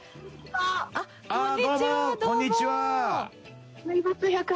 「ああどうもこんにちは」